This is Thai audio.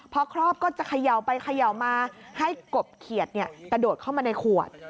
พอครอบก็จะเขย่าไปเขย่ามาให้กบเขียดกระโดดเข้ามาในขวด